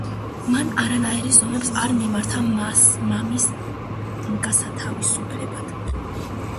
მან არანაირ ზომებს არ მიმართა მამის გასათავისუფლებლად.